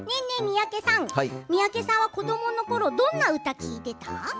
三宅さんは子どものころどんな歌、聴いてた？